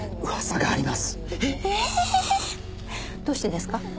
どうしてですか？